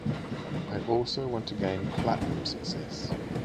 I also want to gain platinum success.